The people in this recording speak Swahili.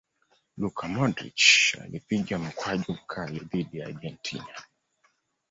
luka modric alipiga mkwaju mkali dhidi ya argentina